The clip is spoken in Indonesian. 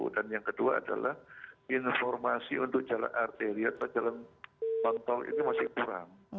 dan yang kedua adalah informasi untuk jalan arteri atau jalan tol ini masih kurang